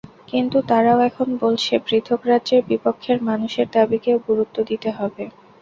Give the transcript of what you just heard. কিন্তু তারাও এখন বলছে, পৃথক রাজ্যের বিপক্ষের মানুষের দাবিকেও গুরুত্ব দিতে হবে।